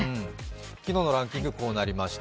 昨日のランキングこうなりました。